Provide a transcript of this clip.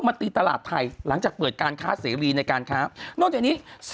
ทำให้พลังไปใช้พร้อมใหม่อยากจะทำอย่างไร